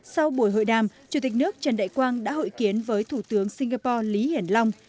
sau buổi hội đàm chủ tịch nước trần đại quang đã hội kiến với thủ tướng singapore lý hiển long